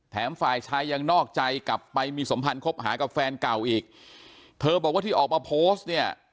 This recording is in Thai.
ฝ่ายชายยังนอกใจกลับไปมีสมพันธ์คบหากับแฟนเก่าอีกเธอบอกว่าที่ออกมาโพสต์เนี่ย